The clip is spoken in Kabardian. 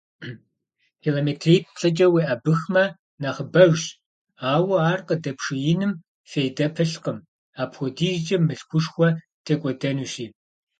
Километритӏ-плӏыкӏэ уеӏэбыхмэ нэхъыбэжщ, ауэ ар къыдэпшеиным фейдэ пылъкъым, апхуэдизкӏэ мылъкушхуэ текӏуэдэнущи.